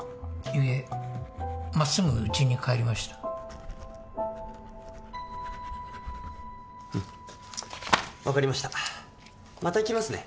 いえまっすぐうちに帰りましたうん分かりましたまた来ますね